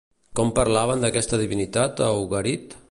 Com parlaven d'aquesta divinitat a Ugarit?